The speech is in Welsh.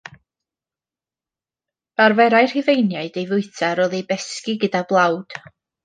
Arferai'r Rhufeiniaid ei fwyta, ar ôl ei besgi gyda blawd.